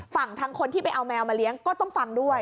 ฝั่งทางคนที่ไปเอาแมวมาเลี้ยงก็ต้องฟังด้วย